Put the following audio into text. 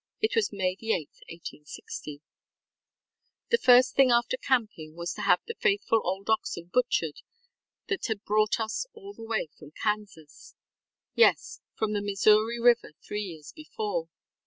It was May 8, 1860. ŌĆ£The first thing after camping was to have the faithful old oxen butchered that had brought us all the way from KansasŌĆöyes, from the Missouri River three years before.